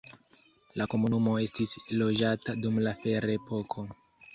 La komunumo estis loĝata dum la ferepoko.